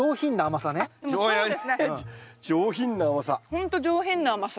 ほんと上品な甘さ。